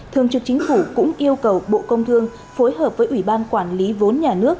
thường trực chính phủ cũng yêu cầu bộ công thương phối hợp với ủy ban quản lý vốn nhà nước